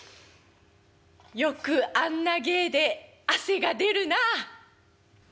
「よくあんな芸で汗が出るなあ」。